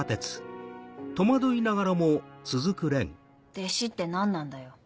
弟子って何なんだよ。